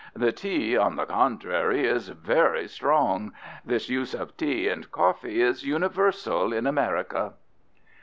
The tea, on the contrary, is very strong. This use of tea and coffee is universal in America.